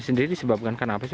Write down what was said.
sendiri disebabkan karena apa sih